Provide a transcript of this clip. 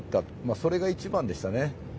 それが一番でしたね。